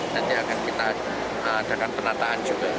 nanti akan kita adakan penataan juga